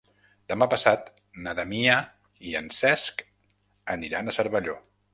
Demà passat na Damià i en Cesc aniran a Cervelló.